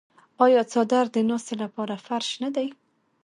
آیا څادر د ناستې لپاره فرش نه دی؟